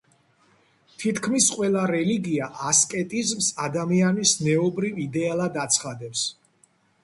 თითქმის ყველა რელიგია ასკეტიზმს ადამიანის ზნეობრივ იდეალად აცხადებს.